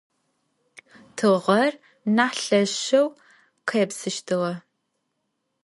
Tığer nah lheşşeu khêpsıştığe.